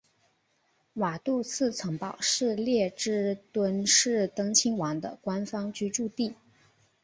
瓦杜茨城堡是列支敦士登亲王的官方居住地。